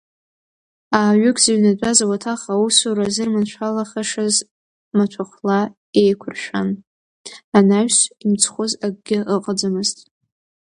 Ааҩык зыҩнатәаз ауаҭах аусура зырманшәалахашаз маҭәахәла еиқәыршәан, анаҩс имцхәыз акгьы ыҟаӡамызт.